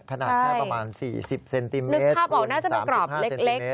ขนาดแค่ประมาณ๔๐เซนติเมตรนึกภาพออกน่าจะมีกรอบเล็ก